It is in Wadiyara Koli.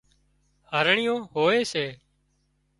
هرڻيئيون هوئي سي